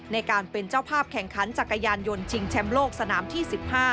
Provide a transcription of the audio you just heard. ในการเป็นเจ้าภาพแข่งขันจักรยานยนต์ชิงแชมป์โลกสนามที่๑๕